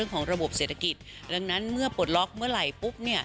ของระบบเศรษฐกิจดังนั้นเมื่อปลดล็อกเมื่อไหร่ปุ๊บ